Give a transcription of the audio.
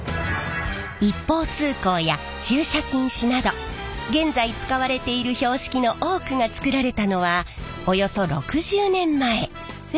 「一方通行」や「駐車禁止」など現在使われている標識の多くが作られたのはおよそ６０年前。